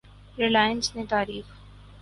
Reliance نے تاریخ